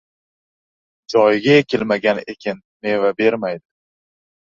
• Joyiga ekilmagan ekin meva bermaydi.